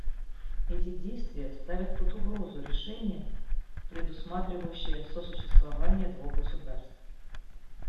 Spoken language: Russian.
Эти действия ставят под угрозу решение, предусматривающее сосуществование двух государств.